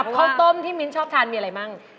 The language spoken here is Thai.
กับค่าวตมที่มิทชอบทานมีอะไรบ้าง